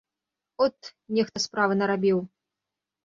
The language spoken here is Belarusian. От, нехта справы нарабіў!